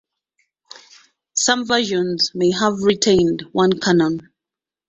Some versions may have retained one cannon.